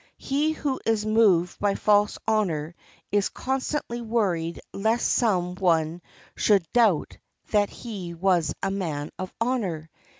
He who is moved by false honor is constantly worried lest some one should doubt that he was a man of honor.